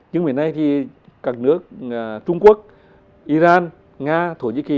nhưng bây giờ này thì cả nước trung quốc iran nga thổ nhĩ kỳ